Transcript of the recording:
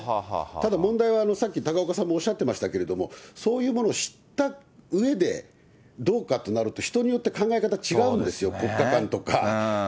ただ問題は、さっき高岡さんもおっしゃってましたけれども、そういうものを知ったうえでどうかとなると、人によって考え方違うんですよ、国家観とか。